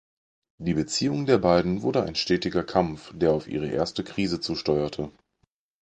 Die Beziehung der beiden wurde ein stetiger Kampf, der auf ihre erste Krise zusteuerte.